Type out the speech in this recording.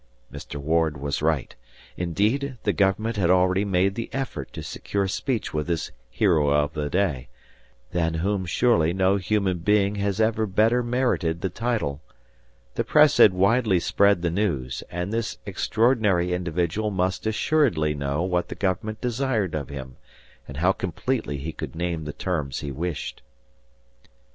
Mr. Ward was right. Indeed, the government had already made the effort to secure speech with this hero of the day, than whom surely no human being has ever better merited the title. The press had widely spread the news, and this extraordinary individual must assuredly know what the government desired of him, and how completely he could name the terms he wished.